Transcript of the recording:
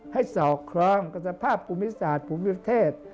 สอกครองกับสภาพภูมิศาสตร์ภูมิประเทศ